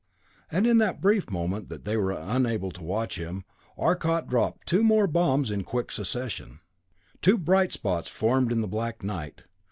And in that brief moment that they were unable to watch him, Arcot dropped two more bombs in quick succession. Two bright spots formed in the black night.